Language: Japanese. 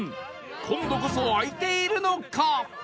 今度こそ開いているのか？